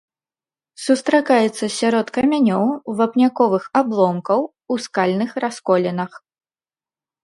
Сустракаецца сярод камянёў, вапняковых абломкаў, у скальных расколінах.